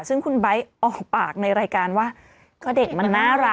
ซึ่งคุณไบท์ออกปากในรายการว่าก็เด็กมันน่ารัก